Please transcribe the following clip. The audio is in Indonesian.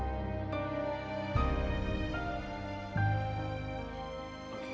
ini akhirnya ada teman saya dok yang mau mendonorkan darahnya